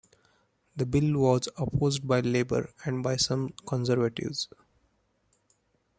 The bill was opposed by Labour and by some Conservatives.